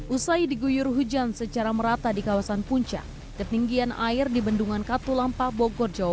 usai diguyur hujan secara merata di kawasan puncak ketinggian air di bendungan katulampa bogor jawa barat